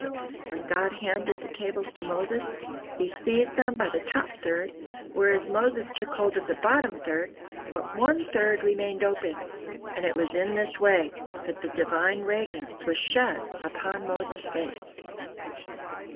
When God handed the tables to Moses, He seized them by the top third, whereas Moses took hold of the bottom third, but on third remained open, and it was in this way that the Divine radiance was shed upon Moses' face.